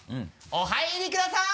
お入りください！